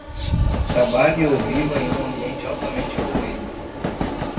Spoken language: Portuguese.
Trabalhe ou viva em um ambiente altamente poluído